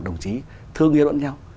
đồng chí thương yêu lẫn nhau